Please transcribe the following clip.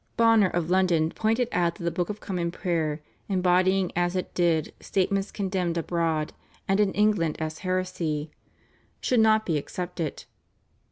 Bonner of London pointed out that the Book of Common Prayer, embodying as it did statements condemned abroad and in England as heresy, should not be accepted.